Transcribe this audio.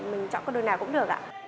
mình chọn con đường nào cũng được ạ